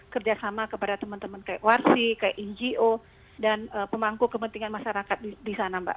kerjasama kepada teman teman kayak warsi kayak ngo dan pemangku kepentingan masyarakat di sana mbak